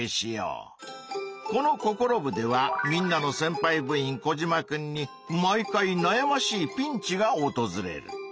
この「ココロ部！」ではみんなのせんぱい部員コジマくんに毎回なやましいピンチがおとずれる。